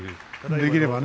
できればね。